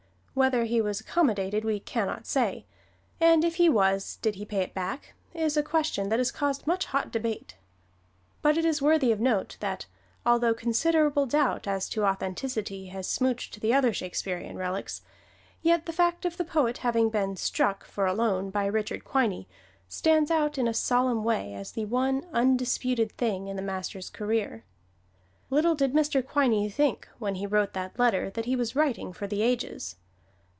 Whether he was accommodated we can not say; and if he was, did he pay it back, is a question that has caused much hot debate. But it is worthy of note that, although considerable doubt as to authenticity has smooched the other Shakespearian relics, yet the fact of the poet having been "struck" for a loan by Richard Quiney stands out in a solemn way as the one undisputed thing in the master's career. Little did Mr. Quiney think, when he wrote that letter, that he was writing for the ages.